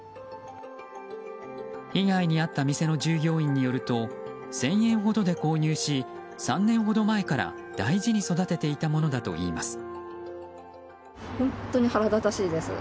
被害に遭ったの店の従業員によると１０００円ほどで購入し３年ほど前から大事に育てていたものだといいます。